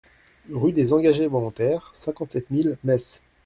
Rue des Engagés Volontaires, cinquante-sept mille Metz